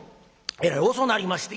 えらい遅なりまして。